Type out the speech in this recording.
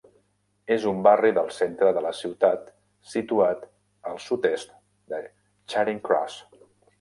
És un barri del centre de la ciutat situat al sud-est de Charing Cross.